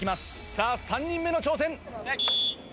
さぁ３人目の挑戦。